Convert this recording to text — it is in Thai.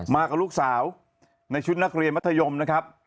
มากับลูกสาวในชุดนักเรียนมัธยมนะครับ